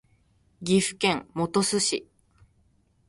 岐阜県本巣市